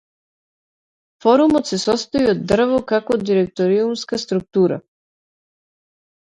Форумот се состои од дрво како директориумска структура.